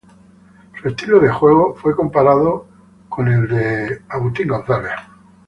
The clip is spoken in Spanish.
Su estilo de juego fue comparado con el de David Lee.